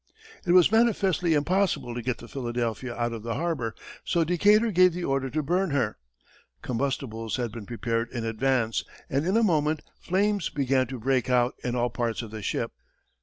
It was manifestly impossible to get the Philadelphia out of the harbor, so Decatur gave the order to burn her. Combustibles had been prepared in advance, and in a moment, flames began to break out in all parts of the ship.